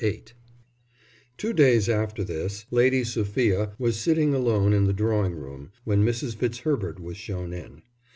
VIII Two days after this Lady Sophia was sitting alone in the drawing room when Mrs. Fitzherbert was shown in.